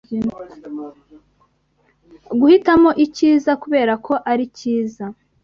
Guhitamo icyiza kubera ko ari cyiza